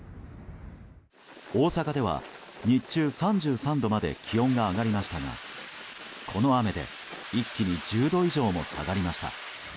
大阪では日中、３３度まで気温が上がりましたがこの雨で一気に１０度以上も下がりました。